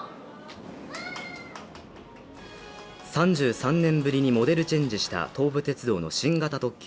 ３３年ぶりにモデルチェンジした東武鉄道の新型特急